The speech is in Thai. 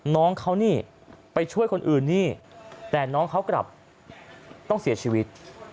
น้องเขานี่ไปช่วยคนอื่นนี่แต่น้องเขากลับต้องเสียชีวิต